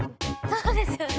そうですよね。